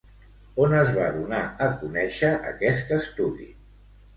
On es va donar a conèixer aquest estudi?